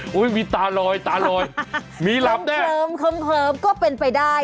มีตาลอยตาลอยมีหลับแน่ะคลิมก็เป็นไปได้